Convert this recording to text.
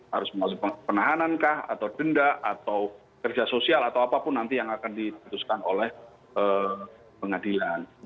harus melalui penahanankah atau denda atau kerja sosial atau apapun nanti yang akan diputuskan oleh pengadilan